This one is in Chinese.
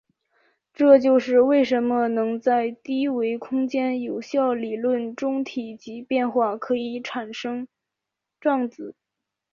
这就是为什么在低维空间有效理论中体积变化可以产生胀子。